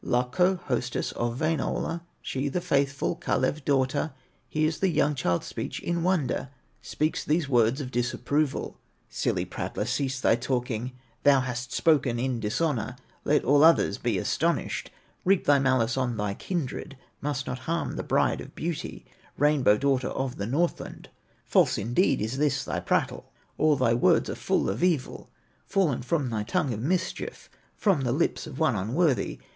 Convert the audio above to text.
Lakko, hostess of Wainola, She the faithful Kalew daughter, Hears the young child's speech in wonder, Speaks these words of disapproval: "Silly prattler, cease thy talking, Thou hast spoken in dishonor; Let all others be astonished, Heap thy malice on thy kindred, must not harm the Bride of Beauty, Rainbow daughter of the Northland. False indeed is this thy prattle, All thy words are full of evil, Fallen from thy tongue of mischief, From the lips of one unworthy.